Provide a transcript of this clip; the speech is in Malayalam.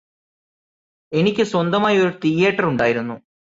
എനിക്ക് സ്വന്തമായി ഒരു തീയേറ്റര് ഉണ്ടായിരുന്നു